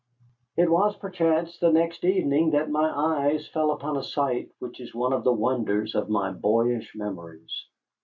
It was perchance the next evening that my eyes fell upon a sight which is one of the wonders of my boyish memories.